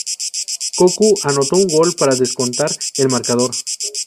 Cocu anotó un gol para descontar el marcador.